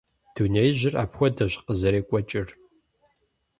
Дунеижьыр апхуэдэущ къызэрекӀуэкӀыр.